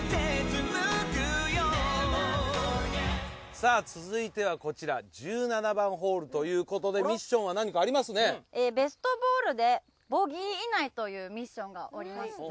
さあ続いてはこちら１７番ホールということでミッションは何かありますね。というミッションがありまして。